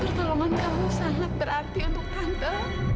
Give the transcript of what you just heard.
pertolongan kamu sangat berarti untuk tante